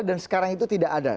dan sekarang itu tidak ada